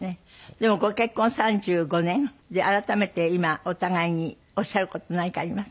でもご結婚３５年で改めて今お互いにおっしゃる事何かあります？